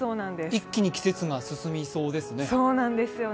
一気に季節が進みそうですね。